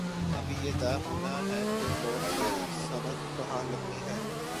ابھی یہ طے ہو نا ہے کہ کون سی صنعت کہاں لگنی ہے۔